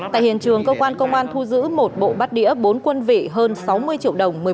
tại hiện trường cơ quan công an thu giữ một bộ bát đĩa bốn quân vị hơn sáu mươi triệu đồng